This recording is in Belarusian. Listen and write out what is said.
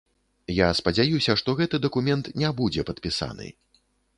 Я спадзяюся, што гэты дакумент не будзе падпісаны.